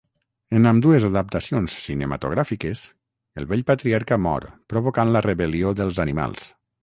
En ambdues adaptacions cinematogràfiques, el Vell Patriarca mor provocant la rebel·lió dels animals.